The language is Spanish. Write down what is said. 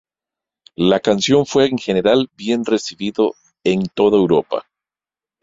La canción fue en general bien recibido en toda Europa.